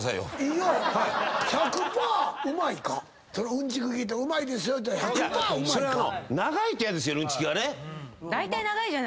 うんちく聞いてうまいですって１００％うまいか？